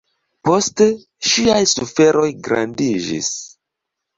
Poste, ŝiaj suferoj grandiĝis.